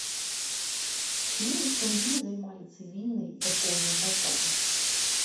Члены сям'і займалі цывільныя і царкоўныя пасады.